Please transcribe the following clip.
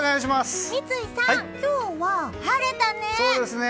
三井さん、今日は晴れたね。